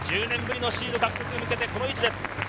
１０年ぶりのシードに向けてこの位置です。